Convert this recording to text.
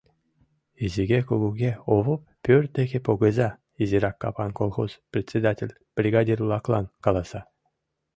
Изиге-кугуге Овоп пӧрт деке погыза! — изирак капан колхоз председатель бригадир-влаклан каласа.